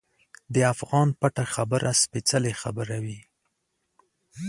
د افغان پټه خبره سپیڅلې خبره وي.